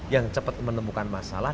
yang cepat menemukan masalah